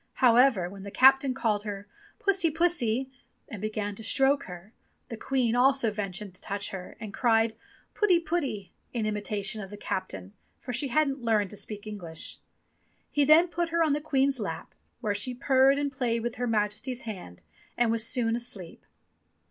However, when the captain called her, "Pussy, pussy," and began to stroke her, the Queen also ventured to touch her and cried, "Putty, putty," in imitation of the captain, for she hadn't learned to speak English. He then put her on to the Queen's lap, where she purred and played with Her Majesty's hand and was soon asleep.